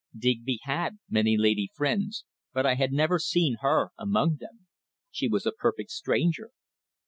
Digby had many lady friends, but I had never seen her among them. She was a perfect stranger.